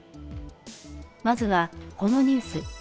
まずはこのニュース。